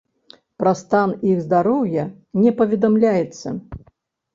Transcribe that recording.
Пра стан іх здароўя не паведамляецца.